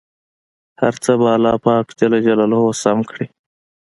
هر څه به پاک الله جل جلاله سم کړي.